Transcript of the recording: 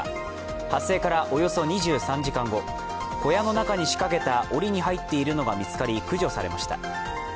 発生からおよそ２３時間後、小屋の中に仕掛けたおりに入っているのが見つかり、駆除されました。